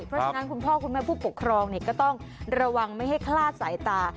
เพราะฉะนั้นคุณพ่อคุณแม่ผู้ปกครองก็ต้องระวังไม่ให้คลาดสายตา